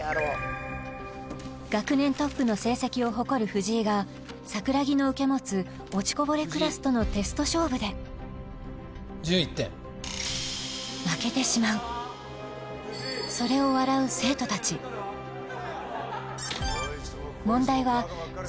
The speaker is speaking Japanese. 学年トップの成績を誇る藤井が桜木の受け持つ落ちこぼれクラスとのテスト勝負で負けてしまうそれを笑う生徒たち問題はそんな彼らに向けて放った